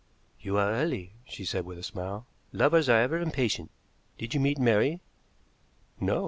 "You are early," she said with a smile. "Lovers are ever impatient. Did you meet Mary?" "No.